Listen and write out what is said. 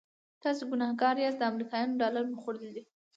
تاسې ګنهګار یاست د امریکایانو ډالر مو خوړلي دي.